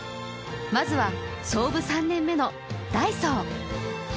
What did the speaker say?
まずは創部３年目のダイソー。